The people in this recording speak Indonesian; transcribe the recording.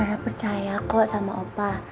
saya percaya kok sama opa